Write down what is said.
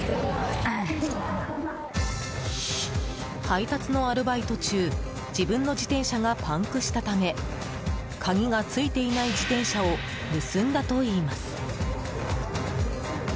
配達のアルバイト中自分の自転車がパンクしたため鍵が付いていない自転車を盗んだといいます。